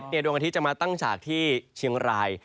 ดวงอาทิตยจะมาตั้งฉากที่เชียงราย